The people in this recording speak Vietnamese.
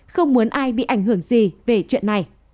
không muốn ai bị ảnh hưởng gì về chuyện này